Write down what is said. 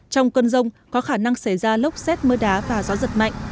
trong cơn rông có khả năng xảy ra lốc xét mưa đá và gió giật mạnh